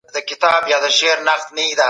په ملګرتیا کي به وفادار پاته کیږئ.